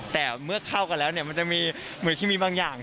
แต่เมื่อเข้ากันแล้วมันจะมีเหมือนที่มีบางอย่าง